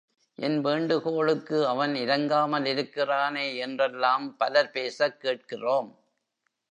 என் வேண்டுகோளுக்கு அவன் இரங்காமல் இருக்கிறானே என்றெல்லாம் பலர் பேசக் கேட்கிறோம்.